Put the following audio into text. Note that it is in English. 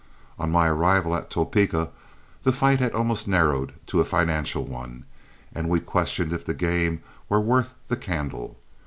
On my arrival at Topeka the fight had almost narrowed to a financial one, and we questioned if the game were worth the candle.